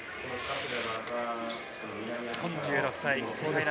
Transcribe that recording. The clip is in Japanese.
４６歳。